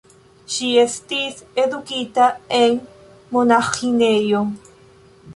Ŝi estis edukita en monaĥinejo.